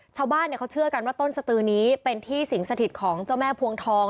ชาวบ้านเขาเชื่อกันว่าต้นสตือนี้เป็นที่สิงสถิตของเจ้าแม่พวงทอง